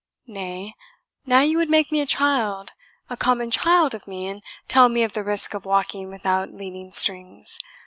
"Nay, now you would make a child, a common child of me, and tell me of the risk of walking without leading strings.